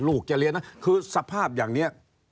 ลูกจะเรียนนะคือสภาพอย่างนี้